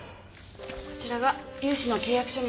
こちらが融資の契約書になります